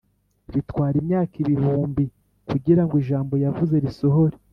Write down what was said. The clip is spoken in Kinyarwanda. Bitwara imyaka ibihumbi kugira ngo ijambo yavuze risohore